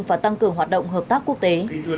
và tăng cường hoạt động hợp tác quốc tế